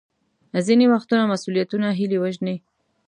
ځینې وختونه مسوولیتونه هیلې وژني.